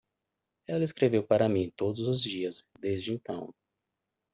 Ela escreveu para mim todos os dias desde então.